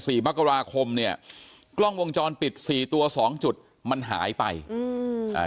มกราคมเนี่ยกล้องวงจรปิดสี่ตัวสองจุดมันหายไปอืมอ่า